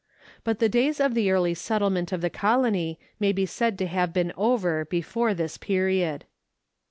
But the days of the early settlement of the colony may be said to have been over before this period.